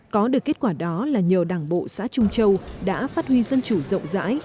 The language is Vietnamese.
có được kết quả đó là nhờ đảng bộ xã trung châu đã phát huy dân chủ rộng rãi